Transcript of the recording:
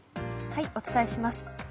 お伝えします。